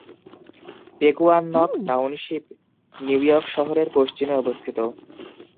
পেকুয়াননক township New York শহরের পশ্চিমে অবস্থিত।